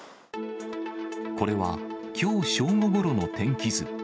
これは、きょう正午ころの天気図。